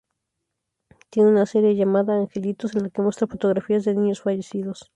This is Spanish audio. Tiene una serie llamada "Angelitos" en la que muestra fotografías de niños fallecidos.